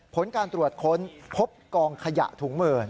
ผลการตรวจค้นพบกองขยะถุงหมื่น